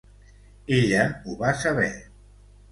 Ella ho va saber.